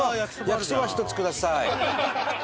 焼きそば１つください！